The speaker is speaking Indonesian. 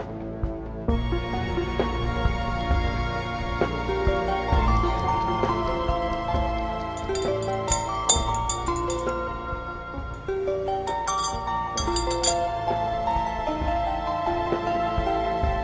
aku mau berbicara sama kamu